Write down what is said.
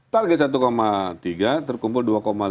target satu tiga terkumpul dua lima